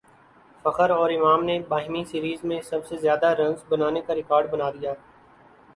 فخر اور امام نے باہمی سیریز میں سب سے زیادہ رنز بنانے کاریکارڈ بنادیا